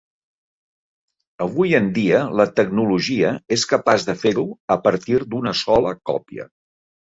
Avui en dia, la tecnologia és capaç de fer-ho a partir d'una sola còpia.